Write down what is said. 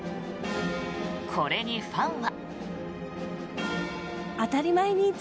これに、ファンは。